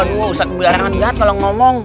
bosan berarangan lihat kalau ngomong